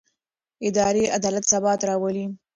اداري عدالت ثبات راولي